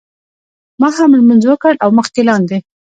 ما هم لمونځ وکړ او مخکې لاندې.